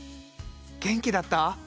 元気だった？